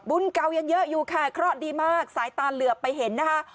เก่ายังเยอะอยู่ค่ะเคราะห์ดีมากสายตาเหลือบไปเห็นนะคะ